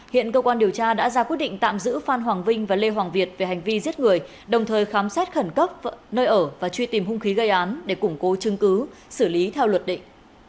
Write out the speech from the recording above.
hiện cơ quan điều tra đã ra quyết định tạm giữ phan hoàng vinh và lê hoàng việt về hành vi giết người đồng thời khám xét khẩn cấp nơi ở và truy tìm hung khí gây án để củng cố chứng cứ xử lý theo luật định